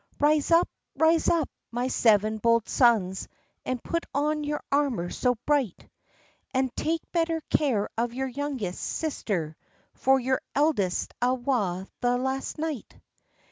"Rise up, rise up, my seven bold sons, And put on your armour so bright, And take better care of your youngest sister, For your eldest's awa the last night."